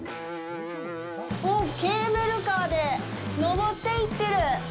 おっ、ケーブルカーで登っていってる！